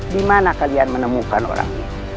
dimana kalian menemukan orang itu